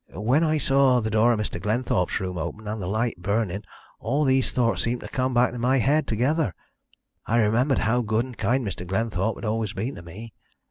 "When I saw the door of Mr. Glenthorpe's room open, and the light burning, all these thoughts seemed to come back into my head together. I remembered how good and kind Mr. Glenthorpe had always been to me.